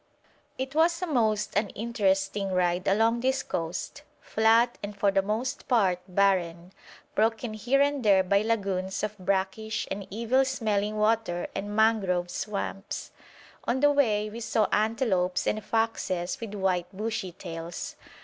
It was a most uninteresting ride along this coast: flat, and for the most part barren, broken here and there by lagoons of brackish and evil smelling water and mangrove swamps. On the way we saw antelopes and foxes with white bushy tails.